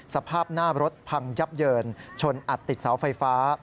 สภาพหน้ารถพังยับเยินชนอัดติดเสาไฟฟ้า